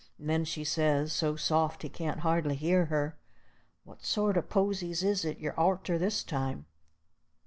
And then she says, so soft he can't hardly hear her, "What sort o' posies is it you're arter this time?"